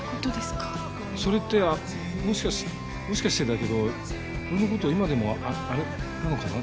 それってもしかしもしかしてだけど俺の事今でもああれなのかな？